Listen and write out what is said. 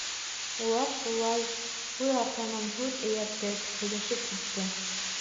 Улар, шулай һүҙ артынан һүҙ эйәртеп, һөйләшеп китте.